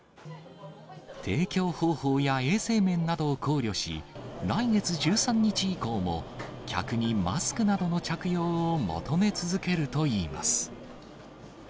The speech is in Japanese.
提供方法や衛生面などを考慮し、来月１３日以降も、客にマスクなどの着用を求め続けるといいます。